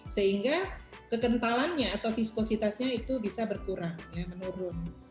sehingga kekentalannya atau viskositasnya itu bisa berkurang ya menurun